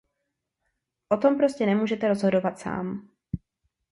O tom prostě nemůžete rozhodovat sám.